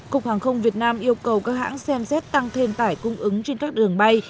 cục hàng không việt nam yêu cầu các hãng xem xét tăng thêm tải cung ứng trên các đường bay